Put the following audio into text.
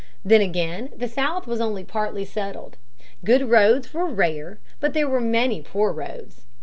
Then again the South was only partly settled. Good roads were rare, but there were many poor roads.